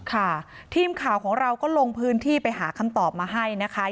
ค่ะทีมข่าวของเราก็ลงพื้นที่ไปหาคำตอบมาให้นะคะ